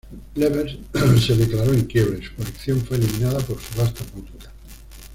Lever se declaró en quiebra y su colección fue eliminada por subasta pública.